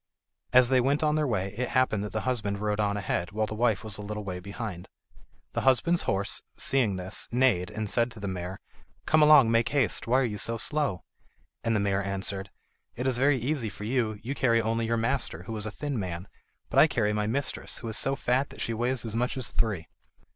As they went on their way, it happened that the husband rode on ahead, while the wife was a little way behind. The husband's horse, seeing this, neighed, and said to the mare: "Come along, make haste; why are you so slow?" And the mare answered: "It is very easy for you, you carry only your master, who is a thin man, but I carry my mistress, who is so fat that she weights as much as three."